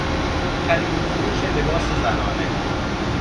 خرید وفروش لباس زنانه